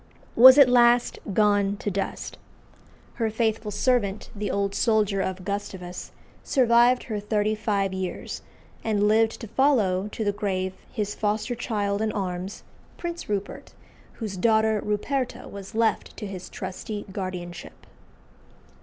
was at "last gone to dust." Her faithful servant, the old soldier of Gustavus, survived her thirty five years, and lived to follow to the grave his foster child in arms, Prince Rupert, whose daughter Ruperta was left to his trusty guardianship.